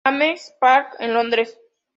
James's Park, en Londres.